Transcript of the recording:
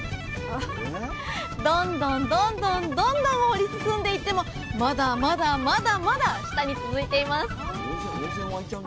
どんどんどんどんどんどん掘り進んでいってもまだまだまだまだ下に続いています！